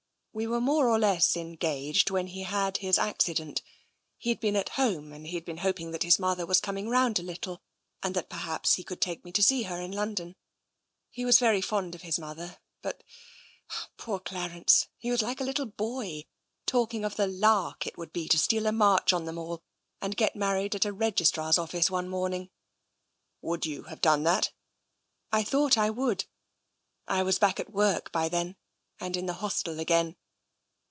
We were more or less engaged when he had his accident. He'd been at home, and he'd been hoping that his mother was coming round a little, and that perhaps he could take me to see her in London. He was very fond of his mother; but poor Clarence! he was like a little boy — talking of the * lark ' it would be to steal a march on them all, and get married at a Registrar's Office one morning." " Would you have done that ?"" I thought I would — I was back at work by then, and in the hostel again.